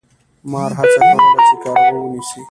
مار هڅه کوله چې کارغه ونیسي.